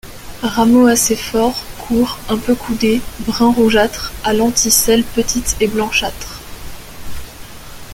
Rameaux assez forts, courts, un peu coudés, brun rougeâtre, à lenticelles petites et blanchâtres.